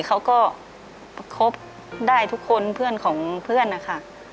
เขาก็ประคบได้ทุกคนเพื่อนของเพื่อนนะคะ